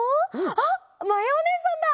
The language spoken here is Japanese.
あっまやおねえさんだ！